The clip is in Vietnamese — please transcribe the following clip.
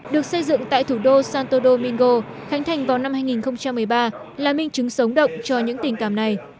được xây dựng tại thủ đô santodo mingo khánh thành vào năm hai nghìn một mươi ba là minh chứng sống động cho những tình cảm này